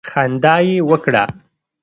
خندا یې وکړه.